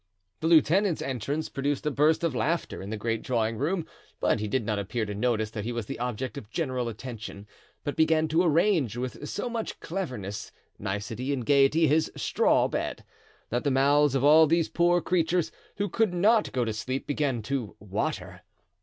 The lieutenant's entrance produced a burst of laughter in the great drawing room; but he did not appear to notice that he was the object of general attention, but began to arrange, with so much cleverness, nicety and gayety, his straw bed, that the mouths of all these poor creatures, who could not go to sleep, began to water.